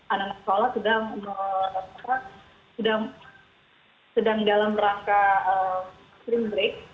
anak anak sekolah sedang dalam rangka stream break